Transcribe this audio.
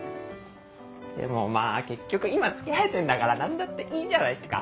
でもまぁ結局今付き合えてんだから何だっていいじゃないっすか。